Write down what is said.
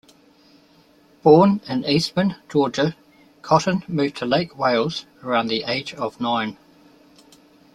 Born in Eastman, Georgia, Cotton moved to Lake Wales around the age of nine.